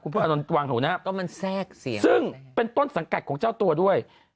เพราะวังถูกนะครับเป็นต้นสังเกตของเจ้าตัวด้วย